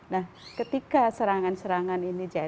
nah ketika serangan serangan ini